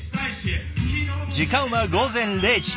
時間は午前０時。